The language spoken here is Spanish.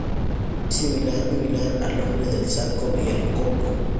Es similar al "Hombre del saco" y al "coco".